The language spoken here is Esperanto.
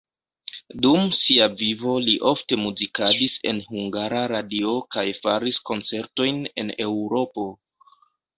Dum sia vivo li ofte muzikadis en Hungara Radio kaj faris koncertojn en Eŭropo.